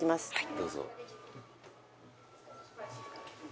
どうぞ。